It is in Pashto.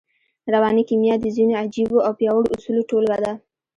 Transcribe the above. رواني کيميا د ځينو عجييو او پياوړو اصولو ټولګه ده.